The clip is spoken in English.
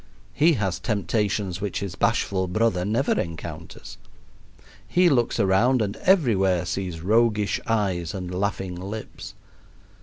He has temptations which his bashful brother never encounters. He looks around and everywhere sees roguish eyes and laughing lips.